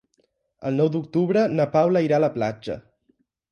El nou d'octubre na Paula irà a la platja.